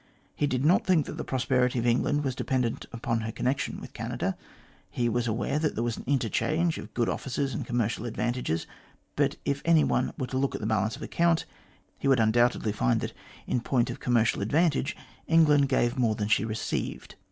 He did not think that the prosperity of England was dependent upon her connection with Canada. He was aware that there was an interchange of good offices and commercial advantages, but if any one were to look at the balance of the account, he would undoubtedly find that in point of commercial advantage, England gave more than she received.